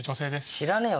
知らねえよ